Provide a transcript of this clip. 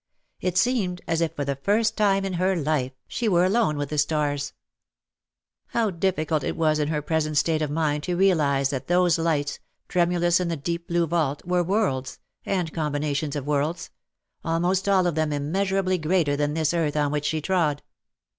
It seemed as if for the first time in her life she were alone with the stars. How difficult it was in her present state of mind to realize that those lights, tremulous in the deep blue vault, were worlds, and combinations of worlds — almost all of them immeasurably greater than this earth on which she trod.